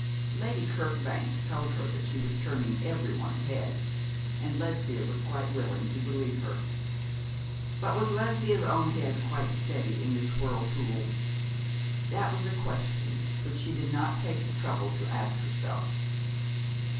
Lady Kirkbank told her that she was turning everyone's head, and Lesbia was quite willing to believe her. But was Lesbia's own head quite steady in this whirlpool? That was a question which she did not take the trouble to ask herself.